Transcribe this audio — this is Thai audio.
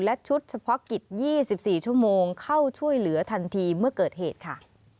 และชุดเฉพาะกิจ๒๔ชั่วโมงเข้าช่วยเหลือทันทีเมื่อเกิดเหตุค่ะ